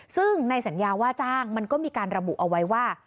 ซึ่งในสัญญาว่าจ้างมันก็มีการระบุเอาไว้ว่า